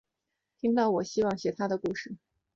听到我希望写她的故事